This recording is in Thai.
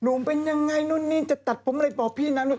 มันเป็นยังไงนู่นนี่จะตัดผมอะไรบอกพี่นะว่า